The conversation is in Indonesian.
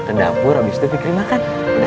ke dapur habis itu dikirim akan